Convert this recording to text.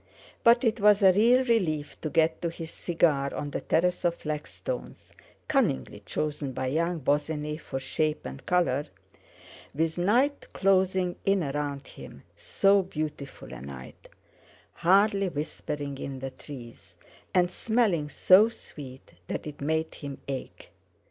But it was a real relief to get to his cigar on the terrace of flag stones—cunningly chosen by young Bosinney for shape and colour—with night closing in around him, so beautiful a night, hardly whispering in the trees, and smelling so sweet that it made him ache.